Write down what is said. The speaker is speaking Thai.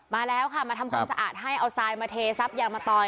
มาแล้วค่ะมาทำความสะอาดให้เอาทรายมาเทซับยางมะตอย